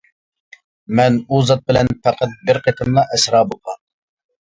مەن ئۇ زات بىلەن پەقەت بىر قېتىملا ئەسرا بولغان.